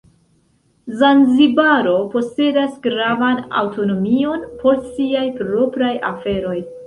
Zanzibaro posedas gravan aŭtonomion por siaj propraj aferoj.